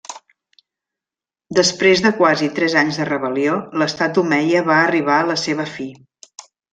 Després de quasi tres anys de rebel·lió, l'estat omeia va arribar a la seva fi.